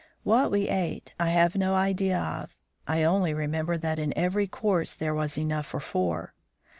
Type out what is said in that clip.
What we ate I have no idea of. I only remember that in every course there was enough for four.